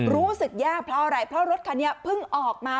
รู้สึกแย่เพราะอะไรเพราะรถคันนี้เพิ่งออกมา